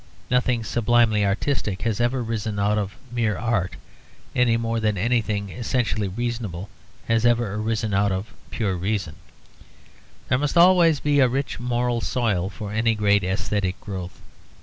Nothing sublimely artistic has ever arisen out of mere art, any more than anything essentially reasonable has ever arisen out of the pure reason. There must always be a rich moral soil for any great aesthetic growth.